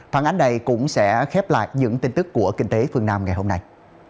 phản ánh này cũng sẽ khép lại những tin tức của kinh tế phương nam ngày hôm nay